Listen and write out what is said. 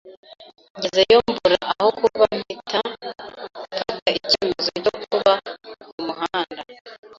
ngezeyo mbura aho kuba mpita mfata icyemezo cyo kuba ku muhanda